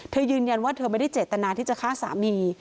ยืนยันว่าเธอไม่ได้เจตนาที่จะฆ่าสามี